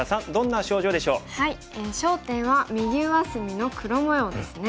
焦点は右上隅の黒模様ですね。